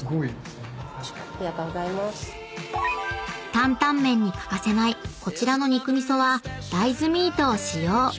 ［担々麺に欠かせないこちらの肉味噌は大豆ミートを使用］